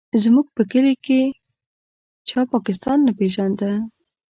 زموږ په کلي کې چا پاکستان نه پېژانده.